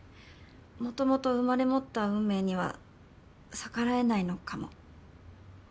もともと生まれ持った運命には逆らえないのかも。